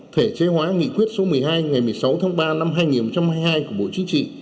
thể chế hóa nghị quyết số một mươi hai ngày một mươi sáu tháng ba năm hai nghìn hai mươi hai của bộ chính trị